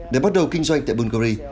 để bắt đầu kinh doanh tại bulgari